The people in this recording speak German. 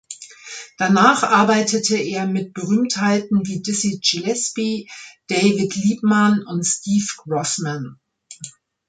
Danach arbeitete er mit Berühmtheiten wie Dizzy Gillespie, David Liebman und Steve Grossman.